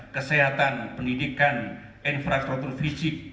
kesehatan pendidikan infrastruktur fisik